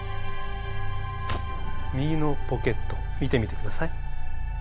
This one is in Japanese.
右のポケット見てみてください。